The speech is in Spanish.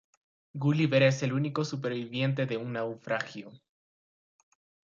Gulliver es el único superviviente de un naufragio.